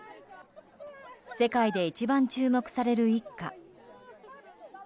世界で一番注目される一家。